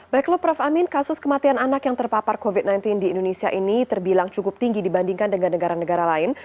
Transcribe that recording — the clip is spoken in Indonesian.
baiklah prof amin kasus kematian anak yang terpapar covid sembilan belas di indonesia ini terbilang cukup tinggi dibandingkan dengan negara negara lain